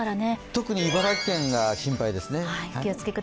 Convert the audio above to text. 特に茨城県が心配ですね。